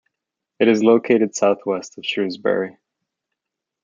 It is located southwest of Shrewsbury.